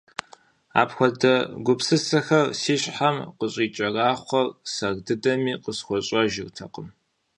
Апхуэдэ гупсысэхэр си щхьэм къыщӀикӀэрахъуэр сэр дыдэми къысхуэщӏэжыртэкъым.